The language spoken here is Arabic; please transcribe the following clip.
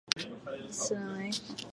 هل كان يومك إلا بعد أيام